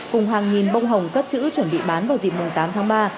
cùng hàng nghìn bông hồng cất chữ chuẩn bị bán vào dịp tám tháng ba